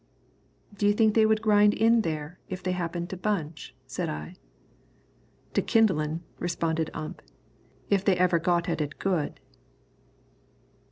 "Do you think they would grind in there if they happened to bunch?" said I. "To kindlin'," responded Ump, "if they ever got at it good."